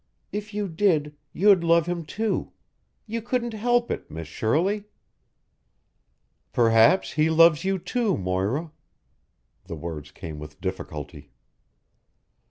If you did, you'd love him, too. You couldn't help it, Miss Shirley." "Perhaps he loves you, too, Moira." The words came with difficulty.